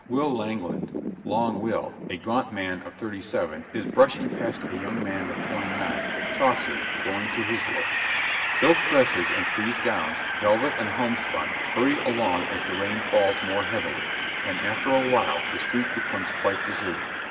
Perhaps Will Langland Long Will a gaunt man of thirty seven, is brushing past a young man of twenty nine, Chaucer, going to his work. Silk dresses and frieze gowns, velvet and homespun, hurry along as the rain falls more heavily, and after a while the street becomes quite deserted.